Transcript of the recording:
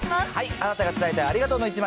あなたが伝えたいありがとうの１枚。